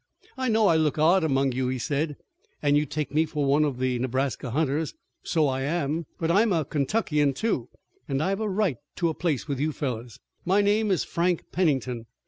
"I know I look odd among you," he said, "and you take me for one of the Nebraska hunters. So I am, but I'm a Kentuckian, too, and I've a right to a place with you fellows. My name is Frank Pennington.